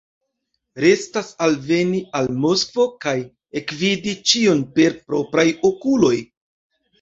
Restas alveni al Moskvo kaj ekvidi ĉion per propraj okuloj.